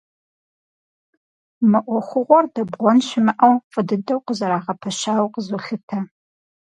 Мы ӏуэхугъуэр, дэбгъуэн щымыӏэу, фӏы дыдэу къызэрагъэпэщауэ къызолъытэ.